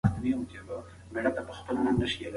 هغه زندان ساتونکی اوس د منډېلا د اخلاقو په وړاندې تسلیم و.